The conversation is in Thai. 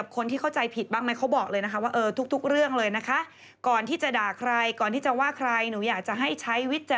เขาก็บอกเลยว่า